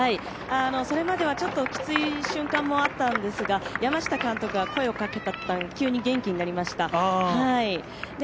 それまではちょっときつい瞬間もあったんですが、山下監督が声をかけたとたん急に元気になりました。